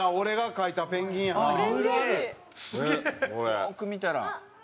よく見たら。